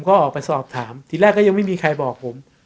เดี๋ยวออกไปสอบถามที่แรกก็ไม่มีใครบอกผม